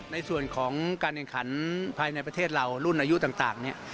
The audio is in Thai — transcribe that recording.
ในส่วนของการแข่งขันภายในประเทศเรารุ่นอายุต่างเนี่ย